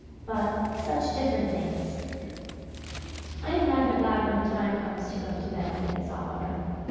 But such different things." "I am rather glad when the time comes to go to bed," said Miss Oliver.